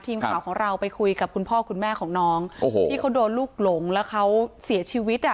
ทีมข่าวของเราไปคุยกับคุณพ่อคุณแม่ของน้องโอ้โหที่เขาโดนลูกหลงแล้วเขาเสียชีวิตอ่ะ